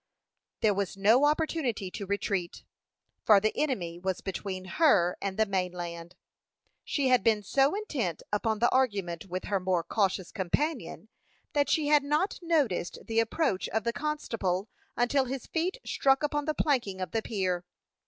There was no opportunity to retreat, for the enemy was between her and the main land. She had been so intent upon the argument with her more cautious companion, that she had not noticed the approach of the constable until his feet struck upon the planking of the pier.